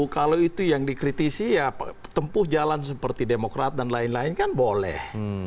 kalau itu yang dikritisi ya tempuh jalan seperti demokrat dan lain lain kan boleh